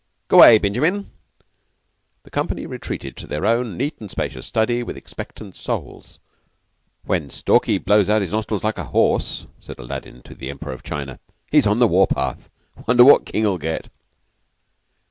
G'way, Binjimin." The company retreated to their own neat and spacious study with expectant souls. "When Stalky blows out his nostrils like a horse," said Aladdin to the Emperor of China, "he's on the war path. 'Wonder what King will get."